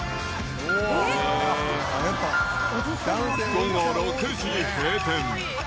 午後６時閉店。